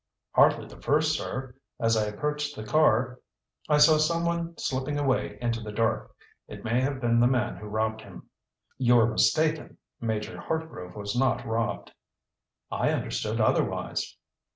"Hardly the first, sir. As I approached the car, I saw someone slipping away into the dark. It may have been the man who robbed him." "You are mistaken. Major Hartgrove was not robbed." "I understood otherwise."